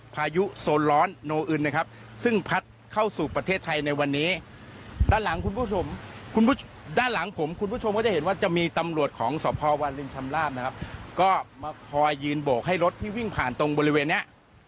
พอวาลินชำลาบนะครับก็มาพอยืนโบกให้รถที่วิ่งผ่านตรงบริเวณนี้